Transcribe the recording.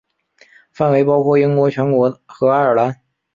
范围包括英国全国和爱尔兰。